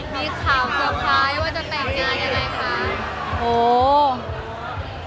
มีข่าวเกือบคล้ายว่าจะแต่งงานได้มั้ยคะ